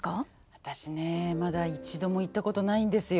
私ねまだ一度も行ったことないんですよ。